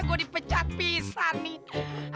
gue dipecat pisang nih